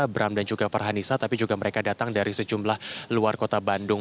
bram dan juga farhanisa tapi juga mereka datang dari sejumlah luar kota bandung